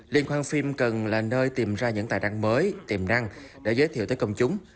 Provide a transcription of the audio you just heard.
liên hoan phim cần là nơi tìm ra những tài năng mới tiềm năng để giới thiệu tới công chúng